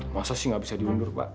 masa sih nggak bisa diundur pak